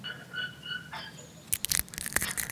خپل ځان له هر ډول بې ځایه اندېښنو څخه په پوره ډول خلاص کړئ.